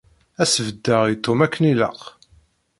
Ad s-beddeɣ i Tom akken ilaq.